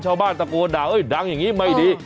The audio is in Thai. ชาวบ้านตะโกนด่าดังอย่างนี้ไม่ดี